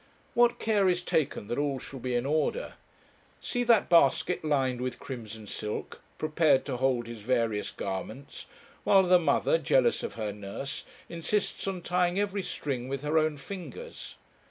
What care is taken that all shall be in order! See that basket lined with crimson silk, prepared to hold his various garments, while the mother, jealous of her nurse, insists on tying every string with her own fingers.